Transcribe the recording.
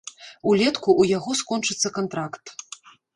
Улетку ў яго скончыцца кантракт.